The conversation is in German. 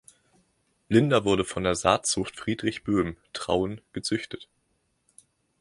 Linda wurde von der Saatzucht Friedrich Böhm, Trauen, gezüchtet.